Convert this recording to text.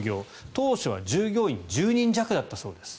当初は従業員１０人弱だったそうです。